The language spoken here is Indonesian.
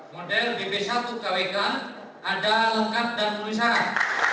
model b satu kwk ada lengkap dan penuhi sarang